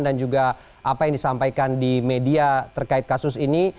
juga apa yang disampaikan di media terkait kasus ini